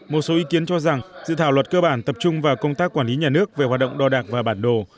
một số ý kiến cho rằng dự thảo luật cơ bản tập trung vào công tác quản lý nhà nước về hoạt động đo đạc và bản đồ